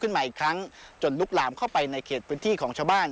ขึ้นมาอีกครั้งจนลุกหลามเข้าไปในเขตของชาวบ้าน